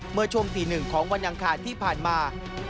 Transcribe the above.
เมื่อช่วงตีหนึ่งของวันอังคารที่ผ่านมา